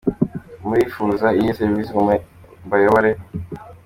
Murifuza iyihe serivisi ngo mbayobore?